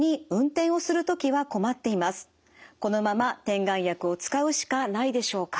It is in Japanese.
このまま点眼薬を使うしかないでしょうか？